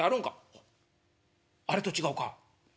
あっあれと違うか？